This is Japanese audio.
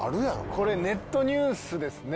これネットニュースですね